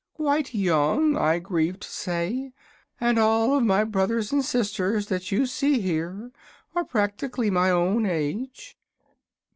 "Quite young, I grieve to say; and all of my brothers and sisters that you see here are practically my own age.